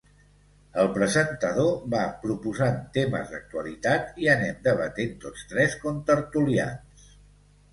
El presentador va proposant temes d’actualitat i anem debatent tots tres contertulians.